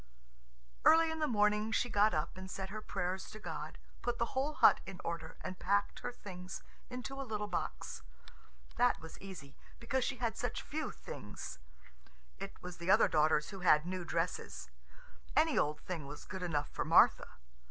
Early in the morning she got up and said her prayers to God, put the whole hut in order, and packed her things into a little box. That was easy, because she had such few things. It was the other daughters who had new dresses. Any old thing was good enough for Martha.